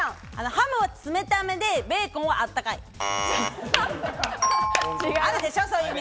ハムは冷ためでベーコンはあ違います。